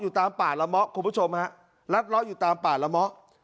ตามป่าละเมาะคุณผู้ชมฮะรัดเลาะอยู่ตามป่าละเมาะ